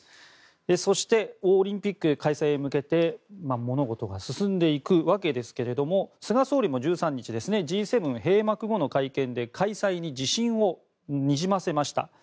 そしてオリンピック開催へ向けて物事が進んでいくわけですが菅総理も１３日Ｇ７閉幕後の会見で開催に自信をにじませました。